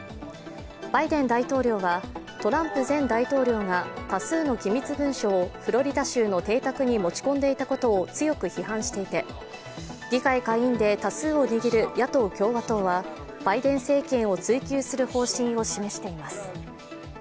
バイデン大統領はトランプ前大統領が多数の機密文書をフロリダ州の邸宅に持ち込んでいたことを強く批判していて、議会下院で多数を握る野党・共和党はバイデン政権を追及する方針を示しています。